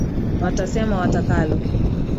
Watasema watakalo